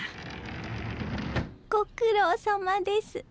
ご苦労さまです。